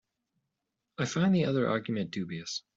I find the other argument dubious.